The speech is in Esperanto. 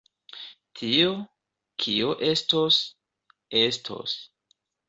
Tio, kio estos, estos.